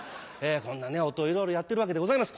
こんな音をいろいろやってるわけでございます。